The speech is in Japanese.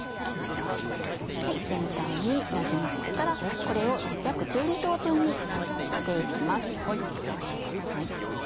全体になじませてからこれを約１２等分にして行きます。